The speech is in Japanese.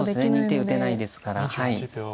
２手打てないですから。